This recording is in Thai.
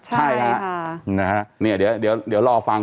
ใช่ฮะนะฮะเนี่ยเดี๋ยวรอฟัง